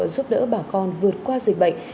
giúp đỡ bà con vượt qua dịch bệnh